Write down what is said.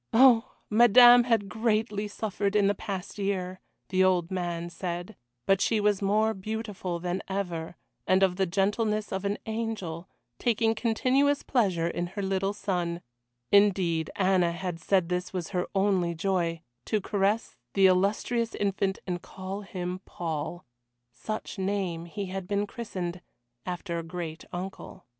Oh! Madame had greatly suffered in the past year the old man said, but she was more beautiful than ever, and of the gentleness of an angel, taking continuous pleasure in her little son indeed, Anna had said this was her only joy, to caress the illustrious infant and call him Paul such name he had been christened after a great uncle.